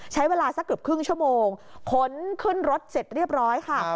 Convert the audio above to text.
ใช้เวลาสักเกือบครึ่งชั่วโมงขนขึ้นรถเสร็จเรียบร้อยค่ะ